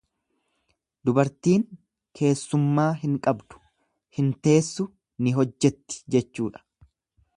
Dubartiin keessummaa hin qabdu, hin teessu ni hojjetti jechuudha.